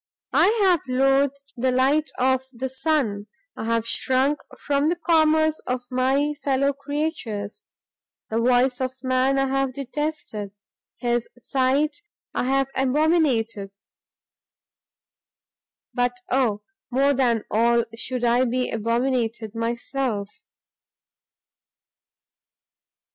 I have loathed the light of the sun, I have shrunk from the commerce of my fellow creatures; the voice of man I have detested, his sight I have abominated! but oh, more than all should I be abominated myself!